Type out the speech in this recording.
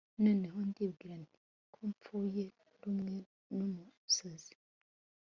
noneho ndibwira nti ko mpfuye rumwe n'umusazi